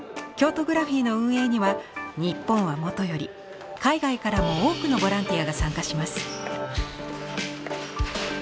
ＫＹＯＴＯＧＲＡＰＨＩＥの運営には日本はもとより海外からも多くのボランティアが参加します。